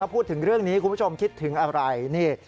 พูดถึงเรื่องนี้คุณผู้ชมคิดถึงอะไรนี่